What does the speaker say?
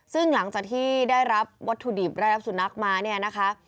ซึ่งหลังจากที่ได้รับวัตถุดิบได้รับสุนัขมาเนี่ยนะคะ